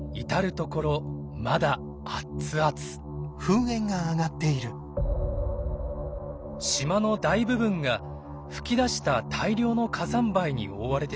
島の大部分が噴き出した大量の火山灰に覆われてしまいました。